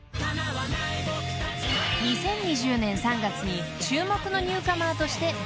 ［２０２０年３月に注目のニューカマーとして番組で紹介］